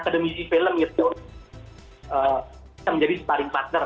jadi film itu menjadi sparring partner